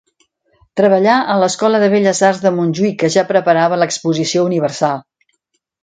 Treballà a l’Escola de Belles Arts de Montjuïc que ja preparava l’Exposició Universal.